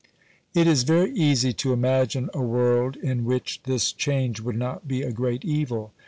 It is very easy to imagine a world in which this change would not be a great evil.